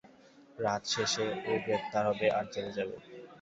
রাত শেষে, ও গ্রেফতার হবে আর জেলে যাবে।